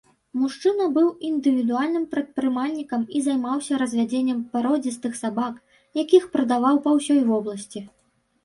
Мужчына быў індывідуальным прадпрымальнікам і займаўся развядзеннем пародзістых сабак, якіх прадаваў па ўсёй вобласці.